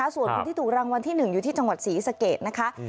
ส่วนคนที่ถูกรางวัลที่๑อยู่ที่จังหวัดศรีสะเกดนะคะ